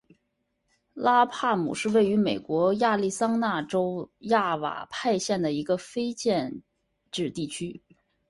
拉帕姆是位于美国亚利桑那州亚瓦派县的一个非建制地区。